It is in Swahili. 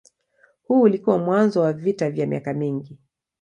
Huu ulikuwa mwanzo wa vita vya miaka mingi.